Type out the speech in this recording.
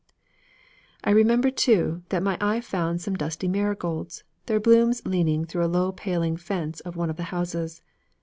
I remember, too, that my eye found some dusty marigolds, their blooms leaning through a low paling fence of one of the houses.